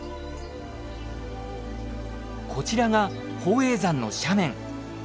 こちらが宝永山の斜面。